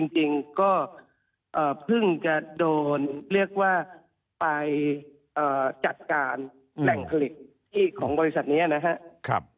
จริงก็เพิ่งจะโดนเรียกว่าไปจัดการแหล่งผลิตที่ของบริษัทนี้นะครับ